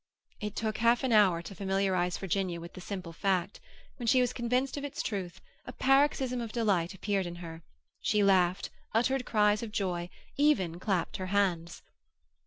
It took half an hour to familiarize Virginia with the simple fact. When she was convinced of its truth, a paroxysm of delight appeared in her. She laughed, uttered cries of joy, even clapped her hands.